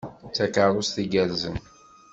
D takeṛṛust igerrzen!